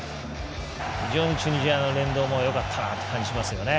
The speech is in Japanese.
非常にチュニジアの連動もよかったなって感じしますね。